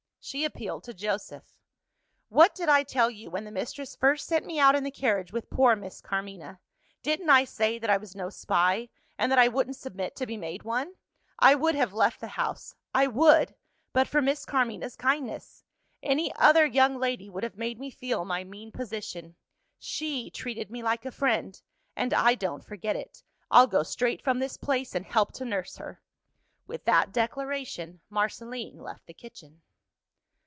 She appealed to Joseph. "What did I tell you, when the mistress first sent me out in the carriage with poor Miss Carmina? Didn't I say that I was no spy, and that I wouldn't submit to be made one? I would have left the house I would! but for Miss Carmina's kindness. Any other young lady would have made me feel my mean position. She treated me like a friend and I don't forget it. I'll go straight from this place, and help to nurse her!" With that declaration, Marceline left the kitchen.